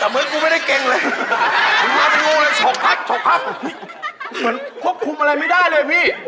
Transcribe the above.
เหมือนควบคุมอะไรไม่ได้เลยพี่